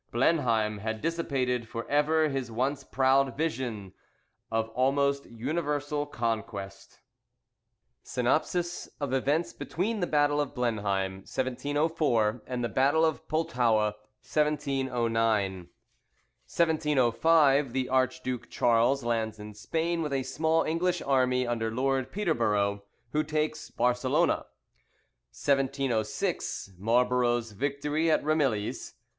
Blenheim had dissipated for ever his once proud visions of almost universal conquest. SYNOPSIS OF EVENTS BETWEEN THE BATTLE OF BLENHEIM, 1704, AND THE BATTLE OF PULTOWA, 1709. A.D. 1705. The Archduke Charles lands in Spain with a small English army under Lord Peterborough, who takes Barcelona. 1706. Marlborough's victory at Ramilies.